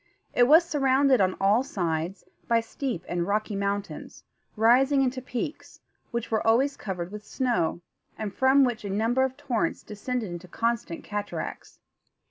It was surrounded, on all sides, by steep and rocky mountains, rising into peaks, which were always covered with snow, and from which a number of torrents descended in constant cataracts.